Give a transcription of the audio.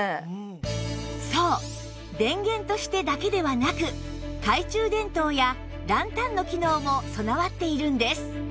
そう電源としてだけではなく懐中電灯やランタンの機能も備わっているんです